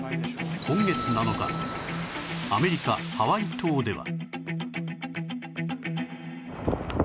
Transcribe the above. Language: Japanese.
今月７日アメリカハワイ島では